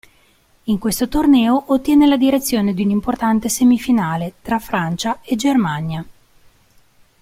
In questo torneo ottiene la direzione di un'importante semifinale, tra Francia e Germania.